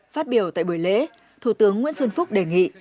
phát biểu tại buổi lễ thủ tướng nguyễn xuân phúc đề nghị